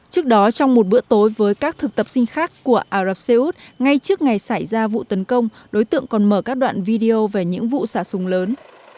trước đó trong một bữa tối với các thực tập sinh khác của ả rập xê út ngay trước ngày xảy ra vụ tấn công đối tượng còn mở các đoạn video về những vụ xả súng lớn